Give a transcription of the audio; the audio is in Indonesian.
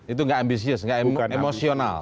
itu nggak ambisius nggak emosional